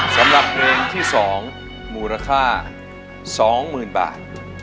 สำหรับเพลงที่๒มูลค่า๒๐๐๐บาท